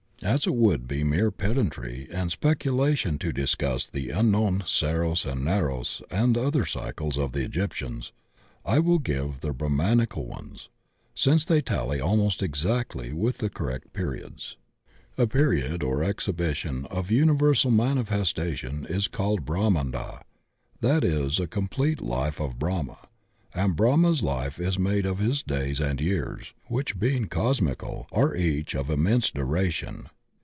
As it would be mere pedantry and speculation to dis cuss the unknown Saros and Naros and other cycles of the Egyptians, I will give the Brahmanical ones, since they tally almost exactly with the correct periods. A period or exhibition of universal manifestation is called a Brahmanda, that is a complete life of Brahma, and Brahma's life is made of his days and years, which, being cosmical, are each of immense THE YUGAS AND DIVINE YEARS 125 duration.